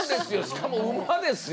しかも馬ですよ。